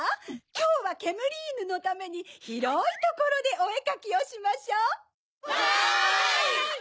きょうはけむりいぬのためにひろいところでおえかきをしましょう！わい！